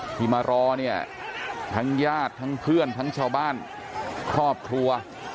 ที่มารอเนี่ยทั้งญาติทั้งเพื่อนทั้งชาวบ้านครอบครัว